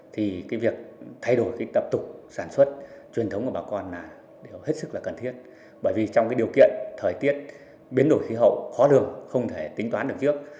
thì cái việc thay đổi cái tập tục sản xuất truyền thống của bà con là điều hết sức là cần thiết bởi vì trong cái điều kiện thời tiết biến đổi khí hậu khó lường không thể tính toán được trước